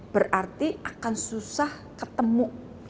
berarti akan susah ketemu